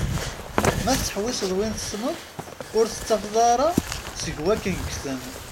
Ma tettḥewwiseḍ win tesneḍ ur tettafeḍ ara seg wakken gten.